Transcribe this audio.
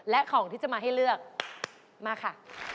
และของที่จะมาให้เลือกมาค่ะ